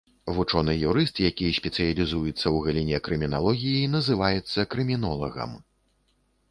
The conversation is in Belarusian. Вучоны-юрыст, які спецыялізуецца ў галіне крыміналогіі, называецца крымінолагам.